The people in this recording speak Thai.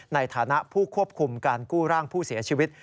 ในฐานะผู้ควบคุมการกู้ร่างผู้เสียชีวิต